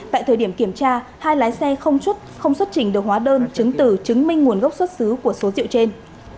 vì kiểm tra hai lái xe không xuất trình được hóa đơn chứng tử chứng minh nguồn gốc xuất xứ của số rượu trên